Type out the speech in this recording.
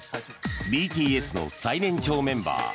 ＢＴＳの最年長メンバー